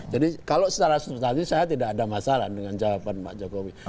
jadi kalau secara substansi saya tidak ada masalah dengan jawaban pak jokowi